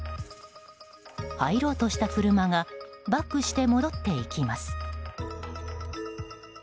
入ろうとした車がバックして戻っていきます。